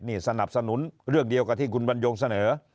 นี่สนับสนุนเรื่องเดียวกับที่คุณบรรยงเสนอ